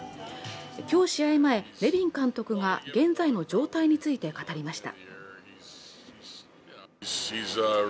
今日、試合前、ネビン監督が現在の状態について語りました。